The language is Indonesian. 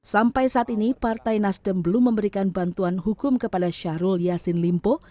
sampai saat ini partai nasdem belum memberikan bantuan hukum kepada syahrul yassin limpo